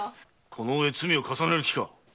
このうえ罪を重ねる気か？